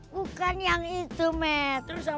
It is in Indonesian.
bukan yang itu met